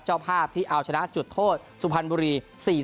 เจ้าภาพที่เอาชนะจุดโทษสุพรรณบุรี๔๐